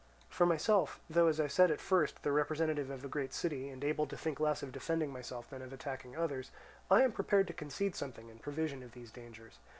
"For myself, though, as I said at first, the representative of a great city, and able to think less of defending myself than of attacking others, I am prepared to concede something in prevision of these dangers.